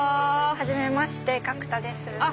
はじめまして角田です。